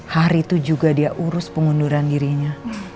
hari itu juga dia urus pengunduran dirinya